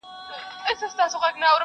نن لا د مُغان ډکه پیاله یمه تشېږمه -